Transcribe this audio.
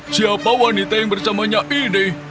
siapa wanita yang bersamanya ini